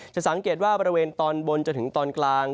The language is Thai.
สังเกตว่าบริเวณตอนบนจนถึงตอนกลาง